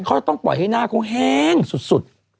เขาต้องปล่อยให้หน้ากล้องแห้งสุด